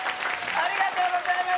ありがとうございます